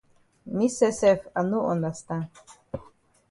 Me sef sef I no understand.